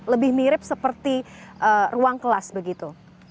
lebih mirip seperti ruang kelas begitu